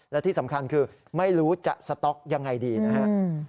และที่สำคัญคือไม่รู้จะสต๊อกยังไงดีนะครับ